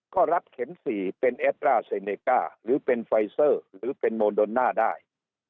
ก็รับเข็ม๔เป็นแอดร่าเซเนก้าหรือเป็นไฟเซอร์หรือเป็นโมโดน่าได้